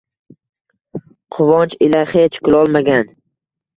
Quvonch ila xech kulolmagan